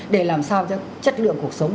để làm sao cho chất lượng cuộc sống